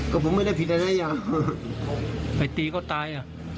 ก็ผมไม่ได้ผิดอะไรไปตีก็ตาย